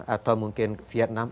atau mungkin vietnam